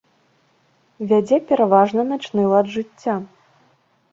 Вядзе пераважна начны лад жыцця.